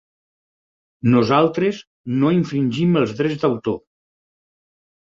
Nosaltres no infringim els drets d'autor.